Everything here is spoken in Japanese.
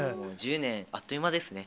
１０年、あっという間ですね。